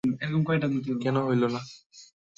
কেন হইল না।